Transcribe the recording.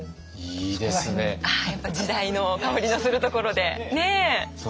やっぱ時代の薫りのするところで。